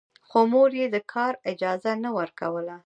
خو مور يې د کار اجازه نه ورکوله.